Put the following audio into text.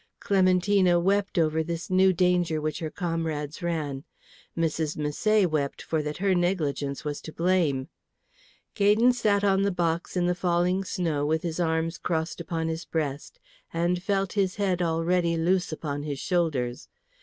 Clementina wept over this new danger which her comrades ran; Mrs. Misset wept for that her negligence was to blame; Gaydon sat on the box in the falling snow with his arms crossed upon his breast, and felt his head already loose upon his shoulders.